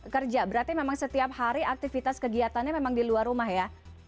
kerja berarti memang setiap hari aktivitas kegiatannya memang di luar rumah ya